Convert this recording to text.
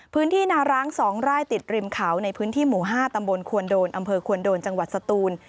พื้นที่นาร้าง๒ไร่ติดริมเขาในพื้นที่หมู่๕ตำบลควนโดนอำเภอควนโดนจังหวัดสตูน